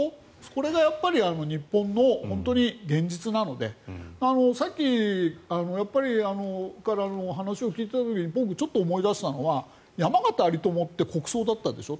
これがやっぱり日本の本当に現実なのでさっきからの話を聞いた時に僕、ちょっと思い出したのは山縣有朋って国葬だったでしょ。